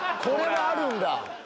これはあるんだ。